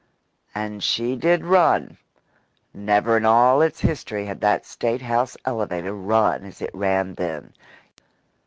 And she did run. Never in all its history had that State house elevator run as it ran then.